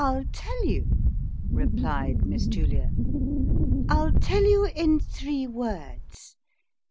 " I'll tell you," replied Miss Julia " I'll tell you in three words.